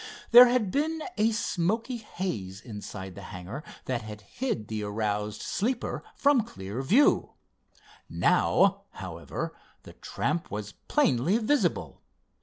There had been a smoky haze inside the hangar that had hid the aroused sleeper from clear view. Now, however, the tramp was plainly visible.